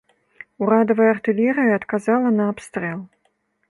Урадавая артылерыя адказала на абстрэл.